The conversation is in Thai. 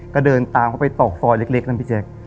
ก็เดินตามเขาไปตอกซอยเล็กนะพี่แจ๊ค